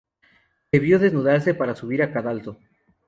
Debió desnudarse para subir al cadalso.